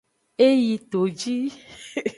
E yi toji.